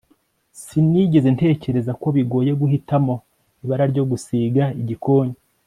sinigeze ntekereza ko bigoye guhitamo ibara ryo gusiga igikoni